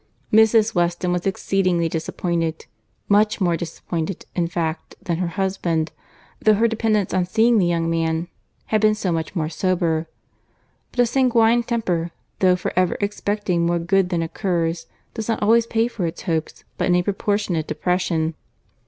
Mrs. Weston was exceedingly disappointed—much more disappointed, in fact, than her husband, though her dependence on seeing the young man had been so much more sober: but a sanguine temper, though for ever expecting more good than occurs, does not always pay for its hopes by any proportionate depression.